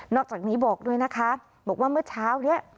อกจากนี้บอกด้วยนะคะบอกว่าเมื่อเช้านี้